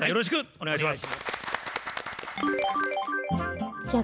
お願いします。